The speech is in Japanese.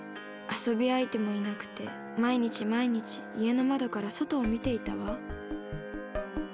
遊び相手もいなくて毎日毎日家の窓から外を見ていたわ。